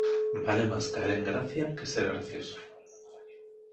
Vale más caer en gracia, que ser gracioso.